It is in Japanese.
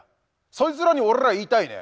そいつらに俺は言いたいね。